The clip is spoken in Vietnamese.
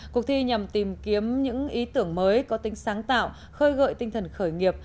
cuộc thi nhằm tìm kiếm những ý tưởng mới có tính sáng tạo khơi gợi tinh thần khởi nghiệp